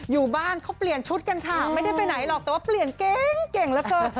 อยู่บ้านเขาเปลี่ยนชุดกันค่ะไม่ได้ไปไหนหรอกแต่ว่าเปลี่ยนเก่งเก่งเหลือเกิน